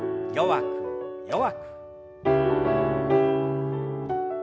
弱く弱く。